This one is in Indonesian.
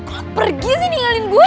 kok pergi sih ninggalin gue